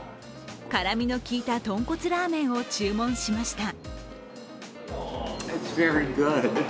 辛みの効いた豚骨ラーメンを注文しました。